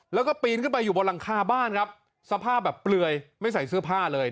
แล้วก็ปีนขึ้นไปอยู่บนหลังคาบ้านครับสภาพแบบเปลือยไม่ใส่เสื้อผ้าเลย